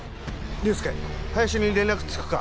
凌介林に連絡つくか？